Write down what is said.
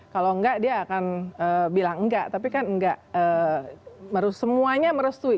kalau enggak dia akan bilang enggak tapi kan enggak semuanya merestui